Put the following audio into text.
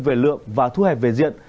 về lượng và thu hẹp về diện